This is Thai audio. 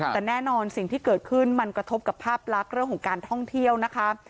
แต่แน่นอนสิ่งที่เกิดขึ้นมันกระทบกับภาพลักษณ์เรื่องของการท่องเที่ยวนะคะ